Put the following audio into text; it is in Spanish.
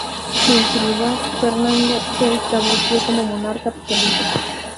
En su lugar, Fernando se estableció como monarca absoluto.